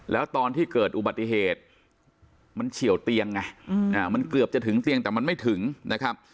แล้วตอนที่เกิดอุบัติเหตุมันเฉียวเตียงไงมันเกือบจะถึงเตียงแต่มันไม่ถึงนะครับ